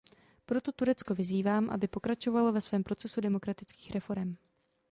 Proto Turecko vyzývám, aby pokračovalo ve svém procesu demokratických reforem.